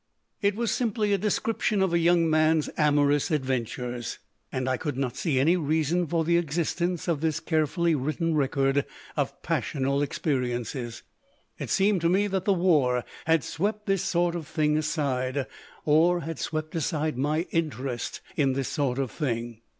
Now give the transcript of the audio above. It was simply a description of a young man's amor ous adventures. And I could not see any rea son for the existence of this carefully written record of passional experiences. "It seemed to me that the war had swept this sort of thing aside, or had swept aside my interest in this sort of thing.